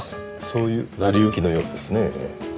そういう成り行きのようですね。